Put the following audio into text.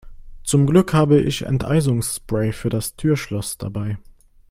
Zum Glück habe ich Enteisungsspray für das Türschloss dabei.